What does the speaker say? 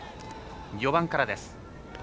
４番からです。